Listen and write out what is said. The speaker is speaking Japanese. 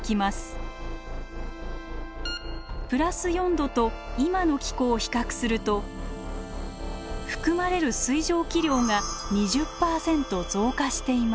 ＋４℃と今の気候を比較すると含まれる水蒸気量が２０％増加しています。